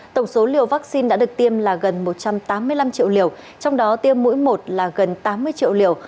tổng số liều vaccine đã được tiêm là gần một trăm tám mươi năm triệu liều trong đó tiêm mũi một là gần tám mươi triệu liều